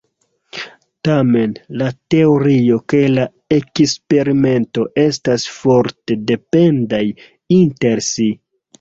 Tamen, la teorio kaj la eksperimento estas forte dependaj inter si.